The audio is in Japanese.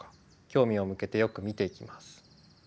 興味を向けてよく見ていきます。